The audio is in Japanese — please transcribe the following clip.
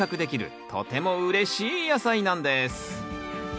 とてもうれしい野菜なんです